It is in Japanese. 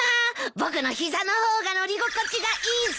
僕の膝の方が乗り心地がいいぞ。